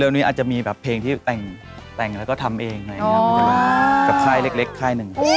เร็วนี้อาจจะมีแบบเพลงที่แต่งแล้วก็ทำเองนะครับแค่เล็กแค่นึง